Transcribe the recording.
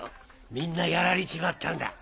みんなやられちまったんだ。